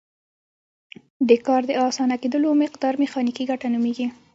د کار د اسانه کیدلو مقدار میخانیکي ګټه نومیږي.